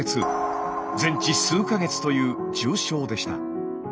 全治数か月という重傷でした。